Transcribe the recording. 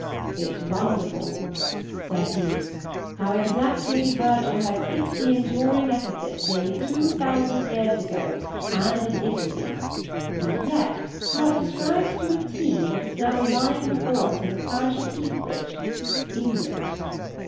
"It's wonderful," said he, "how exactly Virgil has hit the enduring epithets, nearly two thousand years ago, and in Italy; and yet how it describes to a T what is now lying before us in the parish of Heathbridge, county ——, England."